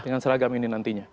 dengan seragam ini nantinya